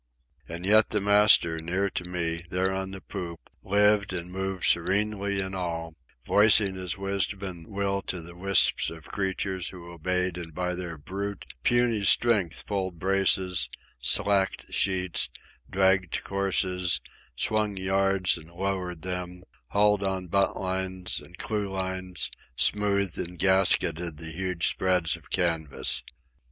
And yet the master, near to me, there on the poop, lived and moved serenely in all, voicing his wisdom and will to the wisps of creatures who obeyed and by their brute, puny strength pulled braces, slacked sheets, dragged courses, swung yards and lowered them, hauled on buntlines and clewlines, smoothed and gasketed the huge spreads of canvas.